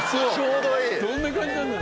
どんな感じなんだろう？